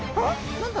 何だ？